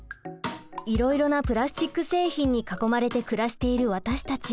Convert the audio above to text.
いろいろなプラスチック製品に囲まれて暮らしている私たち。